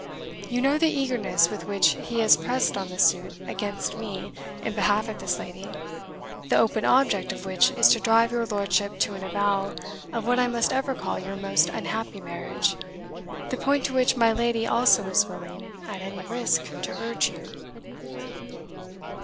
You know the eagerness with which he has pressed on the suit against me in behalf of this lady, the open object of which is to drive your lordship to an avowal of what I must ever call your most unhappy marriage, the point to which my lady also is willing, at any risk, to urge you."